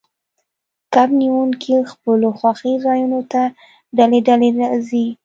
کب نیونکي خپلو خوښې ځایونو ته ډلې ډلې ځي